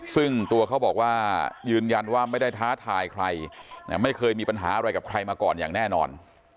ซึ่งตัวเขาบอกว่ายืนยันว่าไม่ได้ท้าทายใครไม่เคยมีปัญหาอะไรกับใครมาก่อนอย่างแน่นอน